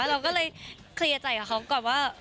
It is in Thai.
เราก็เลยเคลียร์ใจกับเขาก่อนว่า